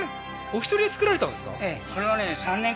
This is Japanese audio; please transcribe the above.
お一人で造られたんですか？